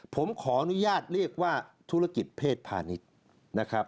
ผมขออนุญาตเรียกว่าธุรกิจเพศพาณิชย์นะครับ